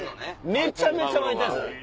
めちゃめちゃ沸いてます。